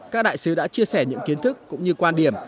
các đại sứ đã chia sẻ những kiến thức cũng như quan điểm